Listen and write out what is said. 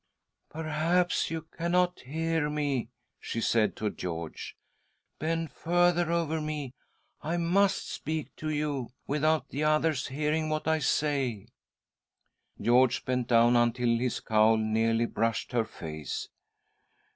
" Perhaps you cannot hear me?" she said to •George. "Bend further over me. I must speak to you without the others hearing what I say." George bent down until his cowl nearly brushed her face.